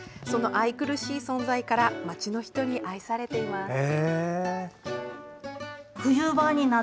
その愛くるしい存在から町の人に愛されています。